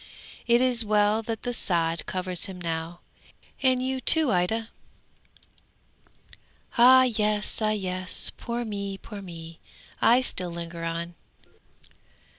It is well that the sod covers him now, and you too, Ida! Ah yes! ah yes! Poor me! poor me! I still linger on.